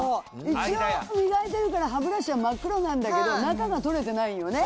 一応磨いてるから歯ブラシは真っ黒なんだけど中が取れてないよね。